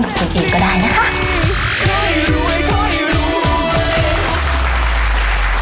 ของคุณเอดก็ได้นะคะ